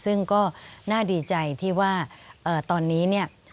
ซึ่งก็น่าดีใจที่ว่าตอนนี้เนี่ย